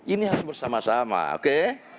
ini harus bersama sama oke